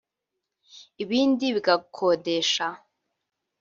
ibindi bigakodesha